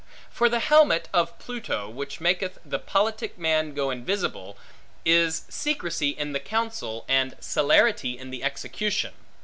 For the helmet of Pluto, which maketh the politic man go invisible, is secrecy in the counsel, and celerity in the execution.